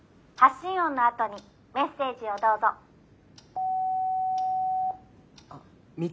発信音のあとにメッセージをどうぞ」。